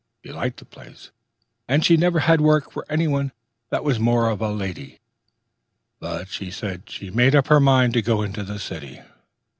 She liked the place, and she never had worked for any one that was more of a lady, but she had made up her mind to go into the city.